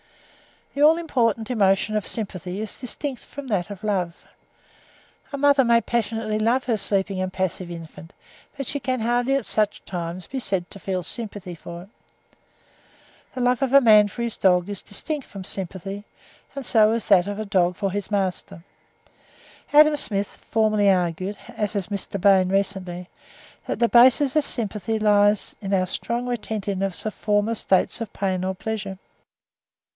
The all important emotion of sympathy is distinct from that of love. A mother may passionately love her sleeping and passive infant, but she can hardly at such times be said to feel sympathy for it. The love of a man for his dog is distinct from sympathy, and so is that of a dog for his master. Adam Smith formerly argued, as has Mr. Bain recently, that the basis of sympathy lies in our strong retentiveness of former states of pain or pleasure.